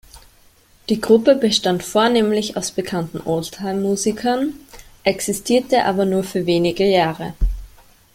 Die Gruppe bestand vornehmlich aus bekannten Old-Time-Musikern, existierte aber nur für wenige Jahre.